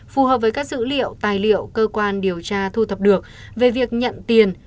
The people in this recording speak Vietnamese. phù hợp với các dữ liệu tài liệu cơ quan điều tra thu thập được về việc nhận tiền